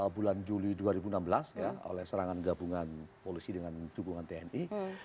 bulan juli dua ribu enam belas ya oleh serangan gabungan polisi dengan dukungan tni